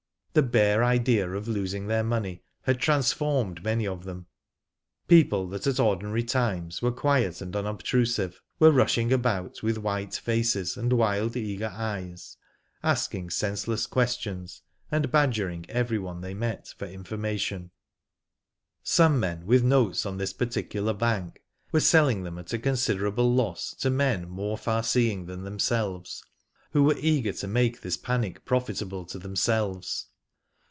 The bare idea of losing their money had trans formed many of them. People that at ordinary times were quiet and unobtrusive, were rushing about with white faces and wild eager eyes, ask ing senseless questions, and badgering everyone they met for information. Digitized byGoogk 204 WHO DID ITf Some men with notes on this particular bank, were selling them at a considerable loss to men more far seeing than themselves, who were eager to make this panic profitable to themselves.